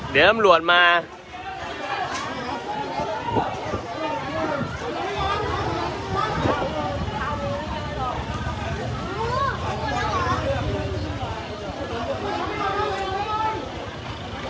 หม่อนไม่เก็ต